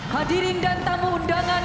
hadirin dan tamu undangan